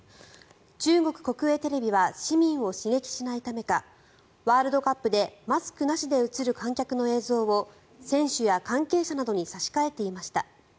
中国国営テレビは市民を刺激しないためかワールドカップでマスクなしで映る観客の映像を選手や関係者などに差し替えていました。